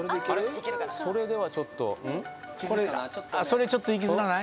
それではちょっとそれちょっと気づかない？